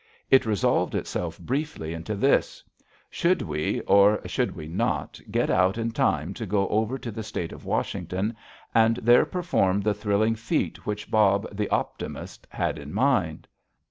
It resolved itself, briefly, into this: Should we or should we not get out in time to go over to the State of Washington and there perform the thrilling feat which Bob, the Optimist, had in mind?